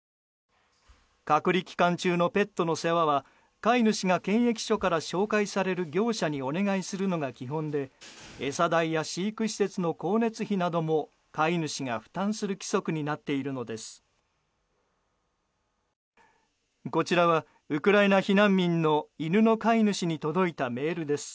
隔離期間中のペットの世話は飼い主が検疫所から紹介される業者にお願いするのが基本で餌代や飼育施設の光熱費なども飼い主が負担する規則になっているのです。